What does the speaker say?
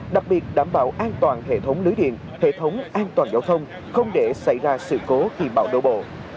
đặc biệt đảm bảo an toàn hệ thống lưới điện hệ thống an toàn giao thông không để xảy ra sự cố khi bão đổ bộ